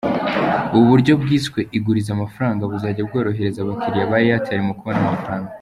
Ubu buryo bwiswe “Igurize amafaranga ” buzajya bworohereza abakiliya ba Airtel mu kubona amafaranga .